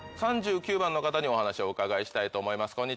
３９番の方にお話をお伺いしたいと思います。